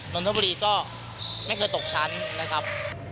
นนทบุรีก็ไม่เคยตกชั้นนะครับ